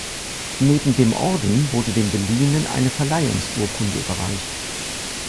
Neben dem Orden, wurde dem Beliehenen eine Verleihungsurkunde überreicht.